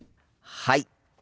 はい。